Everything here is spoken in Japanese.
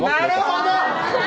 なるほど！